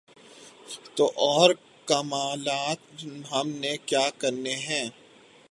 تو اور کمالات ہم نے کیا کرنے ہیں۔